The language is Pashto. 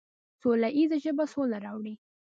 سوله ییزه ژبه سوله راوړي.